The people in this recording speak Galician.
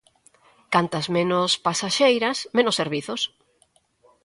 Cantas menos pasaxeiras, menos servizos.